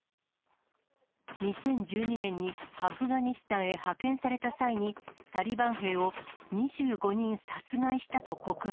２０１２年にアフガニスタンへ派遣された際に、タリバン兵を２５人殺害したと告白。